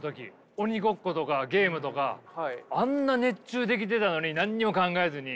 鬼ごっことかゲームとかあんな熱中できてたのに何にも考えずに。